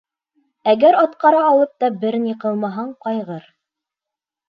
Әгәр атҡара алып та бер ни ҡылмаһаң, ҡайғыр.